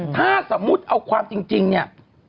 ถ้าสมมุติเอาความจริงเนี่ย